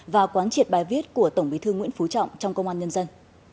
và quán triệt bài viết của tổng bí thư nguyễn phú trọng trong công an nhân dân